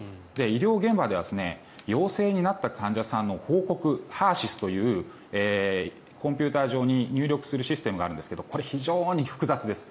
医療現場では陽性になった患者さんの報告ＨＥＲ−ＳＹＳというコンピューター上に入力するシステムがあるんですがこれ、非常に複雑です。